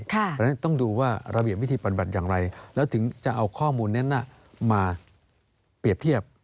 เพราะฉะนั้นต้องดูว่าระเบียบวิธีปฏิบัติอย่างไรแล้วถึงจะเอาข้อมูลนั้นมาเปรียบเทียบ